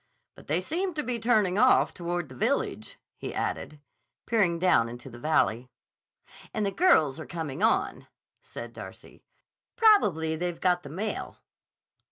"But they seem to be turning off toward the village," he added, peering down into the valley. "And the girls are coming on," said Darcy. "Probably they've got the mail."